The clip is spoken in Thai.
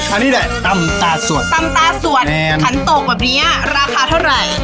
อันนี้แหละตำตาสวดตำตาสวนขันตกแบบเนี้ยราคาเท่าไหร่